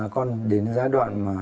còn đến giai đoạn mà